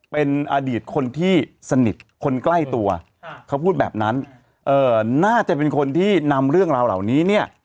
เป็นอดีตคนที่สนิทคนใกล้ตัวเขาพูดแบบนั้นน่าจะเป็นคนที่นำเรื่องราวเหล่านี้เนี่ย